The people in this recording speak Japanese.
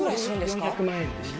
４００万円です。